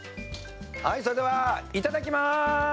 それでは、いただきます！